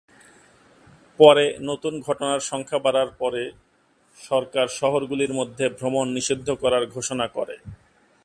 পরে নতুন ঘটনার সংখ্যা বাড়ার পরে সরকার শহরগুলির মধ্যে ভ্রমণ নিষিদ্ধ করার ঘোষণা করে।